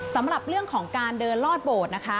สำหรับเรื่องของการเดินลอดโบสถ์นะคะ